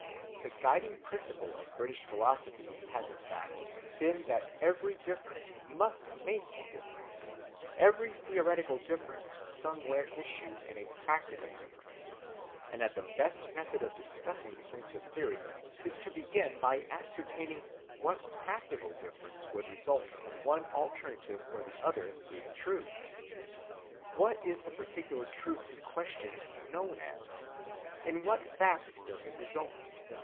The guiding principle of British philosophy has in fact been that every difference must make a difference, every theoretical difference somewhere issue in a practical difference, and that the best method of discussing points of theory is to begin by ascertaining what practical difference would result from one alternative or the other being true. What is the particular truth in question known as? In what facts does it result?